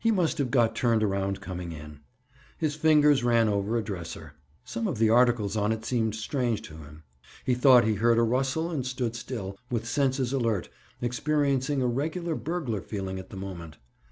He must have got turned around coming in. His fingers ran over a dresser. Some of the articles on it seemed strange to him. He thought he heard a rustle and stood still, with senses alert, experiencing a regular burglar feeling at the moment.